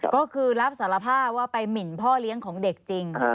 ก็คือรับสารภาพว่าไปหมินพ่อเลี้ยงของเด็กจริง